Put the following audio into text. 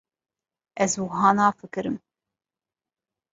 Ez wiha nafikirim.